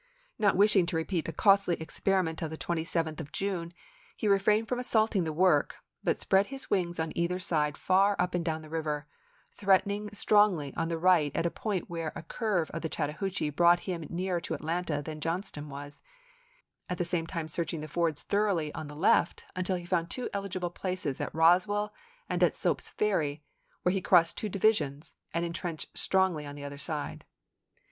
Not wishing to repeat the costly experiment of the 27th of June, he refrained from assaulting the work, but spread his wings on either side far up and down the river, threatening strongly on the right at a point where a curve of the Chattahoochee brought him nearer SHEKMAN'S CAMPAIGN TO THE CHATTAHOOCHEE 27 to Atlanta than Johnston was; at the same time chap.i. searching the fords thoroughly on the left until he found two eligible places at Eosswell and at Soap's Ferry, where he crossed two divisions1 and in trenched strongly on the other side.